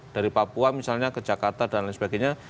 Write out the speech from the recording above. dari papua misalnya ke jakarta dan lain sebagainya